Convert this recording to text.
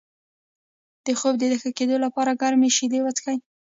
د خوب د ښه کیدو لپاره ګرمې شیدې وڅښئ